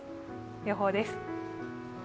予報です。